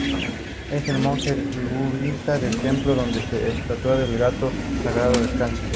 Él es el monje budista del templo donde la estatua del gato sagrado descansa.